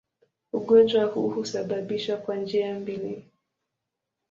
Ugonjwa huu husababishwa kwa njia mbili.